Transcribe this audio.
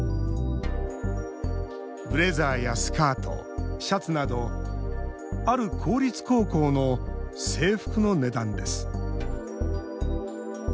ブレザーやスカート、シャツなどある公立高校の制服の値段です。